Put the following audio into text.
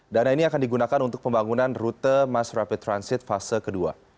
dana ini akan digunakan untuk pembangunan rute mass rapid transit fase kedua